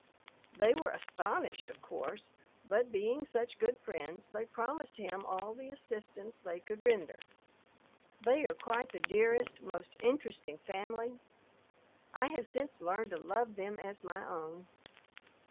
They were astonished, of course, but being such good friends they promised him all the assistance they could render. They are quite the dearest, most interesting family! I have since learned to love them as my own.